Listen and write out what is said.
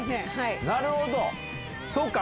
なるほど。